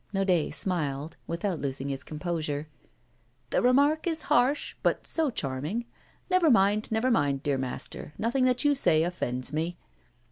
Naudet smiled, without losing his composure. 'The remark is harsh, but so charming! Never mind, never mind, dear master, nothing that you say offends me.